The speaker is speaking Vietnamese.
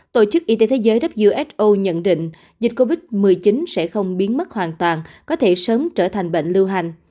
tổ chức y tế thế giới who nhận định dịch covid một mươi chín sẽ không biến mất hoàn toàn có thể sớm trở thành bệnh lưu hành